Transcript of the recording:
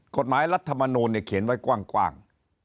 กฎหมายรัฐมนูลเขียนไว้กว้าง